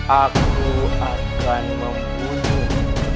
aku akan membunuh